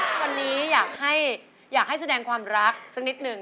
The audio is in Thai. วันนี้อยากให้แสดงความรักสักนิดหนึ่ง